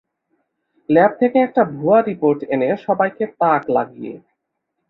Lab থেকে একটা ভুয়া রিপোর্ট এনে সবাইকে তাক লাগিয়ে।